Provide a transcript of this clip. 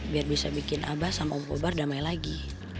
biar bisa bikin abah sama om bubar damai lagi